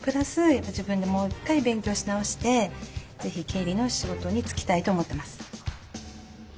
自分でもう一回勉強し直して是非経理の仕事に就きたいと思ってます。